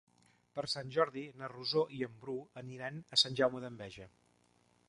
Per Sant Jordi na Rosó i en Bru aniran a Sant Jaume d'Enveja.